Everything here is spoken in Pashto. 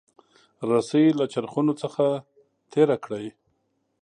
رسۍ له چرخونو څخه تیره کړئ.